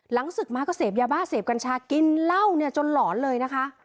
ศึกมาก็เสพยาบ้าเสพกัญชากินเหล้าเนี่ยจนหลอนเลยนะคะ